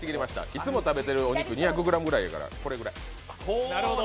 いつも食べているお肉、２００ｇぐらいやから、これぐらい。